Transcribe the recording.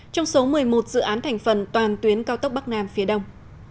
trong số một mươi một dự án thành phần toàn tuyến cao tốc bắc nam phía đông